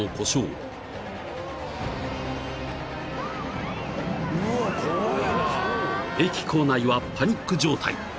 ［駅構内はパニック状態］